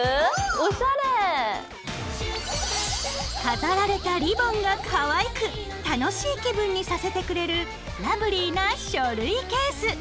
おしゃれ！飾られたリボンがかわいく楽しい気分にさせてくれるラブリーな書類ケース。